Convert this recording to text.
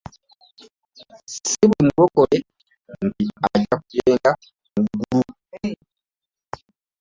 Si buli mulokole nti ajja kugenda mu ggulu.